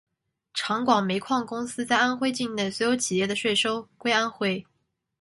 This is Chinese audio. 长广煤矿公司在安徽境内所有企业的税收归安徽。